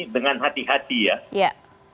dengan hati hati ya